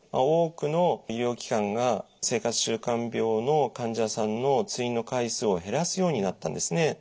多くの医療機関が生活習慣病の患者さんの通院の回数を減らすようになったんですね。